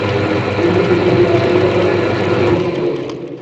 তিনি Lady Washington নামে বেশি পরিচিত।